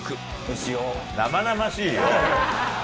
生々しいよ！